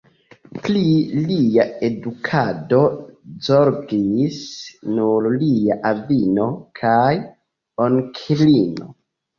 Pri lia edukado zorgis nur lia avino kaj onklino.